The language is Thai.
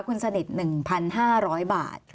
คุณสนิท๑๕๐๐บาท